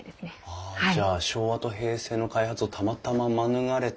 はあじゃあ昭和と平成の開発をたまたま免れたってことですね。